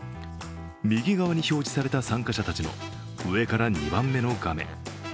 右側に表示された参加者たちの上から２番目の画面。